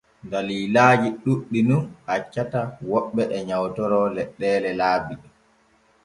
Dallillaaji ɗuuɗɗi nun accata woɓɓe e nyawtoro leɗɗeele laabi.